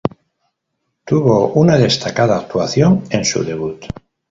Tuvo una destacada actuación en su debut.